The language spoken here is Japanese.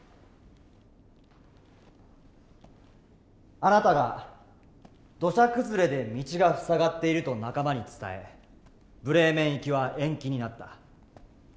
あなたが土砂崩れで道が塞がっていると仲間に伝えブレーメン行きは延期になった。